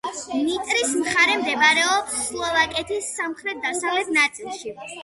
ნიტრის მხარე მდებარეობს სლოვაკეთის სამხრეთ-დასავლეთ ნაწილში.